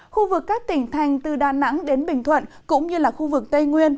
khu vực các tỉnh thành từ đà nẵng đến bình thuận cũng như là khu vực tây nguyên